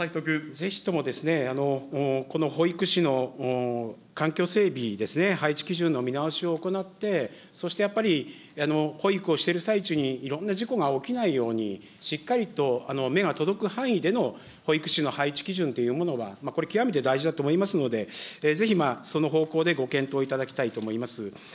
ぜひとも、この保育士の環境整備ですね、配置基準の見直しを行って、そしてやっぱり、保育をしている最中にいろんな事故が起きないように、しっかりと目が届く範囲での保育士の配置基準というものが、これ、極めて大事だと思いますので、ぜひその方向でご検討いただきたいと思います。